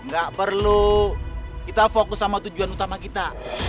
gak perlu kita fokus sama tujuan utama kita